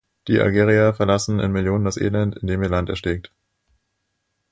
Die Algerier verlassen in Millionen das Elend, in dem ihr Land erstickt.